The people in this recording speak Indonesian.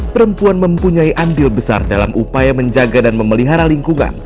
perempuan mempunyai andil besar dalam upaya menjaga dan memelihara lingkungan